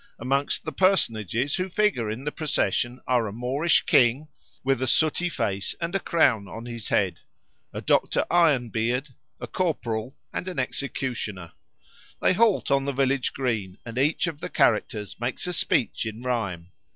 Amongst the personages who figure in the procession are a Moorish king with a sooty face and a crown on his head, a Dr. Iron Beard, a corporal, and an executioner. They halt on the village green, and each of the characters makes a speech in rhyme.